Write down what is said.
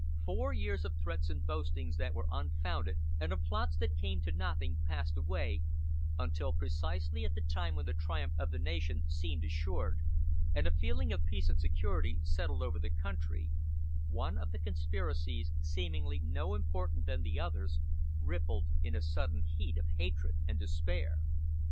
Four years of threats and boastings that were unfounded, and of plots that came to nothing passed away, until precisely at the time when the triumph of the nation seemed assured, and a feeling of peace and security settled over the country, one of the conspiracies, seemingly no more important than the others, ripened in a sudden heat of hatred and despair.